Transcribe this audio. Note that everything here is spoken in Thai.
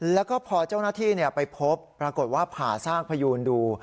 แล้วก็พอเจ้าหน้าที่ไปพบปรากฏว่าผ่าซากพยูนดู